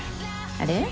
あれ？